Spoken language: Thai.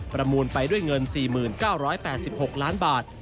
มูลไปด้วยเงิน๔๙๘๖ล้านบาท